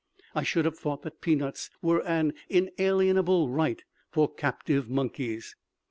I should have thought that peanuts were an inalienable right for captive monkeys.